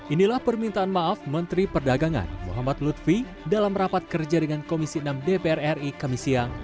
inilah permintaan maaf menteri perdagangan muhammad lutfi dalam rapat kerja dengan komisi enam dpr ri kami siang